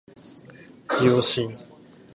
秒針